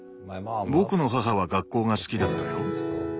僕の母は学校が好きだったよ。